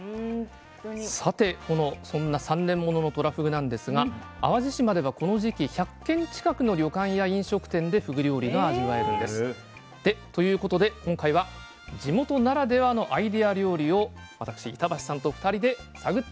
さてそんな３年もののとらふぐなんですが淡路島ではこの時期１００軒近くの旅館や飲食店でふぐ料理が味わえるんです。ということで今回は地元ならではのアイデア料理を私板橋さんと２人で探ってきました。